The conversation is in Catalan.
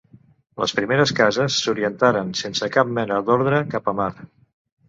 Les primeres cases s'orientaren, sense cap mena d'ordre, cap a mar.